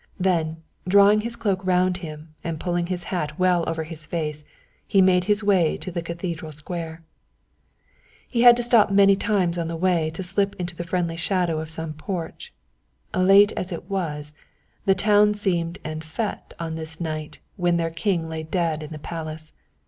Then, drawing his cloak round him and pulling his hat well over his face, he made his way to the Cathedral Square. He had to stop many times on the way to slip into the friendly shadow of some porch. Late as it was, the town seemed en fête on this night when their king lay dead in the Palace.